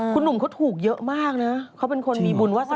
คุณหนุ่มเขาถูกเยอะมากนะเขาเป็นคนมีบุญวาส